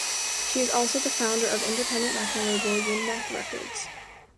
She is also the founder of the independent record label Yidneth Records.